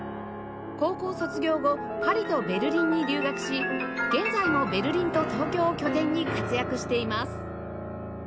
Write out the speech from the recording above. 高校卒業後パリとベルリンに留学し現在もベルリンと東京を拠点に活躍しています